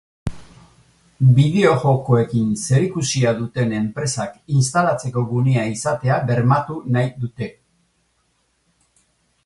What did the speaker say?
Bideojokoekin zerikusia duten enpresak instalatzeko gunea izatea bermatu nahi dute.